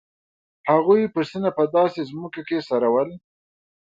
هغوی پسونه په داسې ځمکو کې څرول.